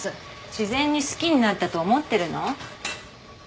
自然に好きになったと思ってるの？